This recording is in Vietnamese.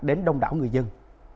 đến đông đảo người dân